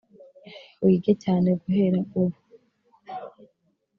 Wige cyane guhera ubu